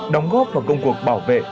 đóng góp vào công cuộc bảo vệ